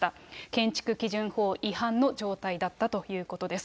建築基準法違反の状態だったということです。